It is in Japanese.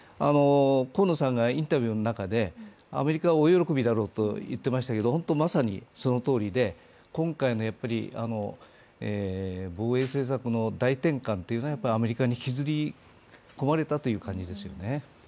河野さんがインタビューの中でアメリカは大喜びだろうと言っていましてホントまさにそのとおりで、今回の防衛政策の大転換というのはアメリカに引きずり込まれたという感じですよね。